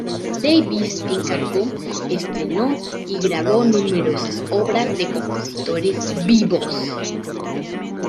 Davies encargó, estrenó y grabó numerosas obras de compositores vivos.